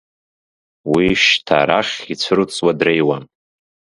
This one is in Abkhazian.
Уи шьҭа арахь ицәырҵуа дреиуам.